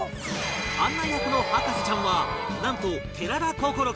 案内役の博士ちゃんはなんと寺田心君